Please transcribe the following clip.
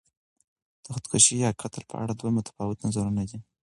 د خودکشي یا قتل په اړه دوه متفاوت نظرونه دي.